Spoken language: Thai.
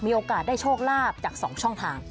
มีโอกาสได้โชคลาภจาก๒ช่องทาง